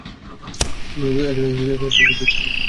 তুমি আমাদের পরিবারের অংশ।